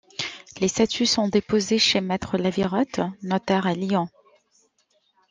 Les statuts sont déposés chez maitre Lavirotte, notaire à Lyon.